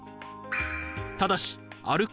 ただし歩く